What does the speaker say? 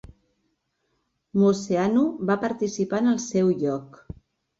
Moceanu va participar en el seu lloc.